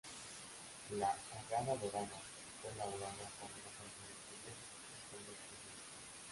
La "Hagadá Dorada" fue elaborada para una familia judeo-española pudiente.